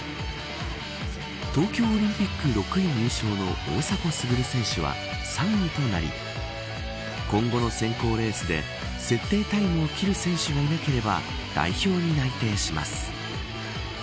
東京オリンピック６位入賞の大迫傑選手は３位となり今後の選考レースで設定タイムを切る選手がいなければ代表に内定します。